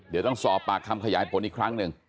เดี๋ยวต้องสอบปากคำขยายผลอีกครั้งหนึ่ง